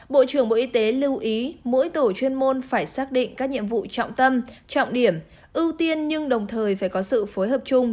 bộ trưởng bộ y tế lưu ý mỗi tổ chuyên môn phải xác định các nhiệm vụ trọng tâm trọng điểm ưu tiên nhưng đồng thời phải có sự phối hợp chung